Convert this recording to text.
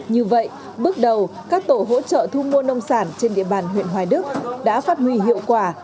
như vậy bước đầu các tổ hỗ trợ thu mua nông sản trên địa bàn huyện hoài đức đã phát huy hiệu quả